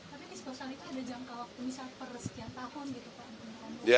tapi diskosal itu ada jangka waktu misal per sekian tahun gitu pak